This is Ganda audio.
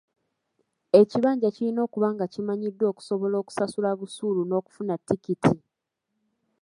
Ekibanja kiyina okuba nga kimanyiddwa okusobola okusasula busuulu n'okufuna ttikiti.